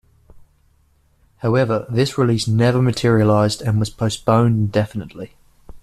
However, this release never materialized and was postponed indefinitely.